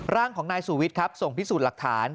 ร่างของนายสูวิทย์ครับส่งพิสูจน์หลักฐาน